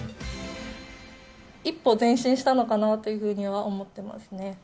一歩前進したのかなというふうには思ってますね。